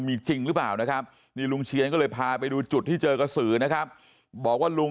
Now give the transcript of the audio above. มีจริงหรือเปล่านะครับนี่ลุงเชียนก็เลยพาไปดูจุดที่เจอกระสือนะครับบอกว่าลุง